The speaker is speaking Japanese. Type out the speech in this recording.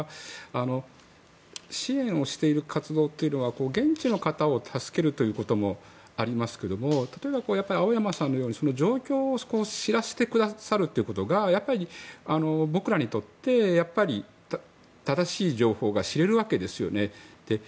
支援をしている活動というのは現地の方を助けるということもありますけど例えば、青山さんのように状況を知らせてくださることがやっぱり僕らにとって正しい情報が知れるわけですよね。